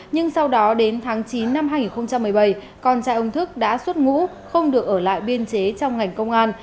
nhưng sau đó đến tháng chín năm hai nghìn một mươi bảy con trai ông thức đã xuất ngũ không được ở lại biên chế trong ngành công an